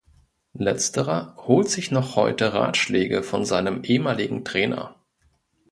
Letzterer holt sich noch heute Ratschläge von seinem ehemaligen Trainer.